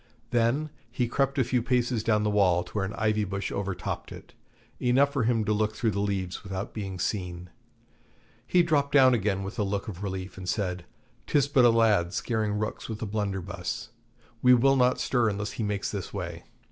Then he crept a few paces down the wall to where an ivy bush over topped it, enough for him to look through the leaves without being seen. He dropped down again with a look of relief, and said, ''Tis but a lad scaring rooks with a blunderbuss; we will not stir unless he makes this way.'